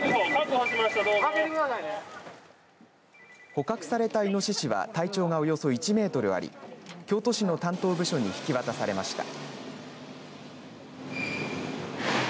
捕獲されたイノシシは体長がおよそ１メートルあり京都市の担当部署に引き渡されました。